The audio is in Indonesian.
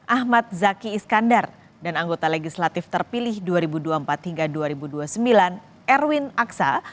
ahmad zaki iskandar dan anggota legislatif terpilih dua ribu dua puluh empat hingga dua ribu dua puluh sembilan erwin aksa